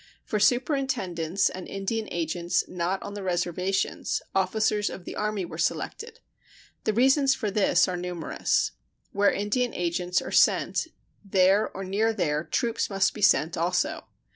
For superintendents and Indian agents not on the reservations, officers of the Army were selected. The reasons for this are numerous. Where Indian agents are sent, there, or near there, troops must be sent also.